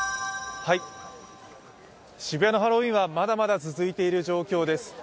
渋谷のハロウィーンはまだまだ続いている状況です。